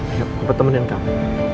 ayo aku pertemenin kamu